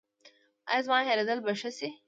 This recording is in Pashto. ایا زما هیریدل به ښه شي؟